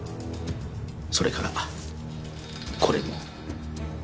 それからこれも。